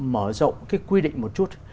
mở rộng cái quy định một chút